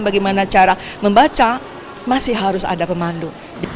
bagaimana cara membaca masih harus ada pemandu